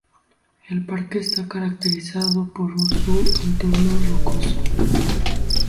El parque está caracterizado por su entorno rocoso.